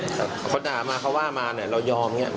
อาหารเนี้ยคนด่ามาเขาว่ามาเนี้ย